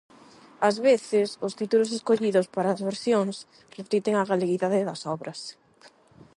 Ás veces, os títulos escollidos para as versións reflicten a galeguidade das obras.